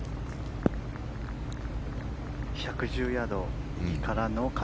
１１０ヤードから。